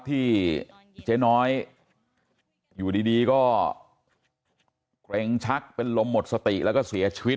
ที่เจ๊น้อยอยู่ดีก็เกร็งชักเป็นลมหมดสติแล้วก็เสียชีวิต